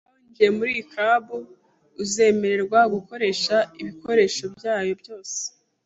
Niba winjiye muri iyi club, uzemererwa gukoresha ibikoresho byayo byose.